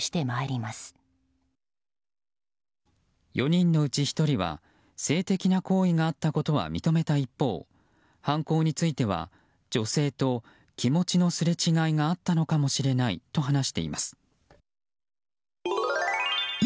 ４人のうち１人は性的な行為があったことは認めた一方、犯行については女性と気持ちのすれ違いがあったのかもしれないと話しています。